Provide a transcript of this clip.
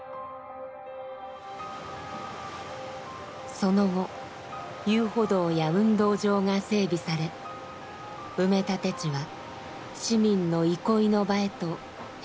その後遊歩道や運動場が整備され埋め立て地は市民の憩いの場へと変貌しました。